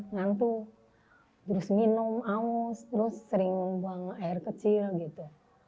ngantuk terus minum aus terus sering buang air kecil gitu